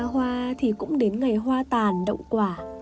cây ra hoa thì cũng đến ngày hoa tàn đậu quả